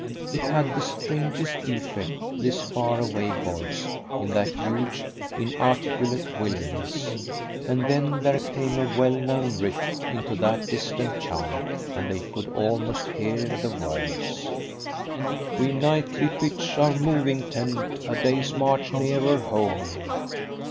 It had the strangest effect, this far away voice, in that huge inarticulate wilderness. And then there came a well known rhythm into that distant chant, and they could almost hear the words We nightly pitch our moving tent, A day's march nearer home.